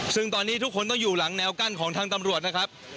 ซึ่งตอนนี้ทุกคนต้องอยู่หลังแนวกั้นของทางตำรวจนะครับ